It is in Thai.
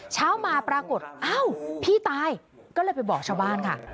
เช้ามาปรากฏอ้าวพี่ตายก็เลยไปบอกชาวบ้านค่ะ